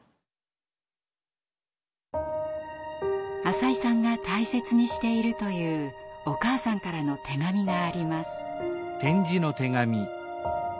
浅井さんが大切にしているというお母さんからの手紙があります。